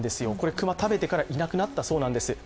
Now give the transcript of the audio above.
熊、食べてからいなくなったそうなんです。